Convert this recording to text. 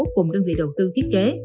cùng đơn vị đầu tư thiết kế